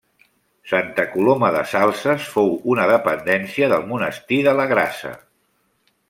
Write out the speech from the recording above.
Santa Coloma de Salses fou una dependència del monestir de la Grassa.